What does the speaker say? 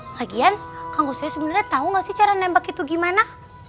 lagian kamu saya sebenarnya tahu gak sih cara nembak itu gimana